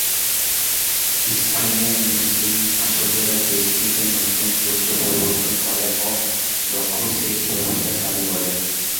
স্পেনের মুসলিম শাসকেরা দেশটিতে নতুন শস্য প্রবর্তন করেন ও দক্ষ সেচ ব্যবস্থা চালু করেন।